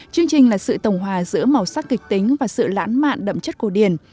chương trình là sự tổng hòa giữa màu sắc kịch tính và sự lãng mạn đậm chất cổ điển